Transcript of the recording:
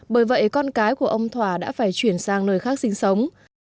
bởi vậy con cái của ông thỏa đã phải chuyển sang nơi khác sinh sống